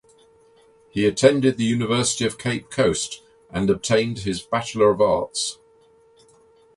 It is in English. He attended the University of Cape Coast and obtained his Bachelor of Arts.